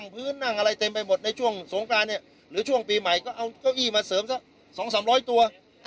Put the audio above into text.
พื้นนั่งอะไรเต็มไปหมดในช่วงสงกรานเนี่ยหรือช่วงปีใหม่ก็เอาเก้าอี้มาเสริมสัก๒๓๐๐ตัว